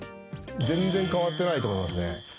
全然変わってないと思いますね。